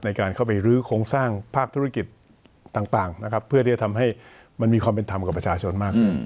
ในการเข้าไปรื้อโครงสร้างภาคธุรกิจต่างนะครับเพื่อที่จะทำให้มันมีความเป็นธรรมกับประชาชนมากขึ้น